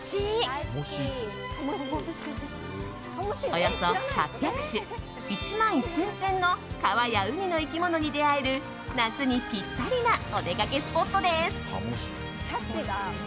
およそ８００種１万１０００点の川や海の生き物に出会える夏にぴったりなお出かけスポットです。